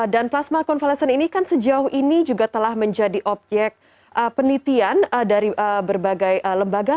dan plasma konvalesan ini kan sejauh ini juga telah menjadi obyek penelitian dari berbagai lembaga